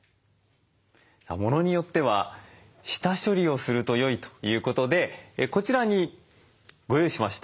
ものによっては下処理をするとよいということでこちらにご用意しました。